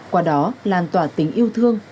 qua đó làn tỏa tình yêu thương